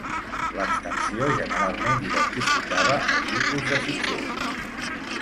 L'extensió generalment identificava el tipus de fitxer.